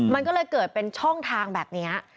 มันก็เลยเกิดเป็นช่องทางแบบนี้